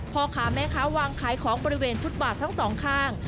พ่อค้าแม่ค้าวางขายของบริเวณฟุตบาททั้งสองข้าง